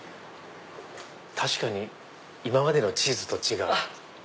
確かに今までのチーズと違う。